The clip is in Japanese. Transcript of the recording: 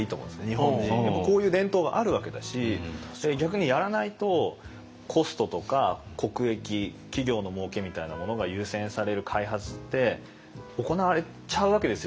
日本もこういう伝統があるわけだし逆にやらないとコストとか国益企業のもうけみたいなものが優先される開発って行われちゃうわけですよ。